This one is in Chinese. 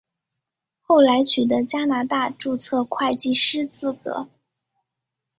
后来取得加拿大注册会计师资格。